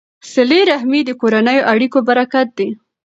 صله رحمي د کورنیو اړیکو برکت دی.